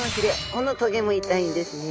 このトゲも痛いんですね！